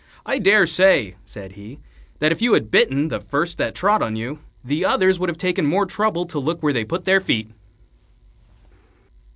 "I dare say," said he, "that if you had bitten the first that trod on you, the others would have taken more trouble to look where they put their feet."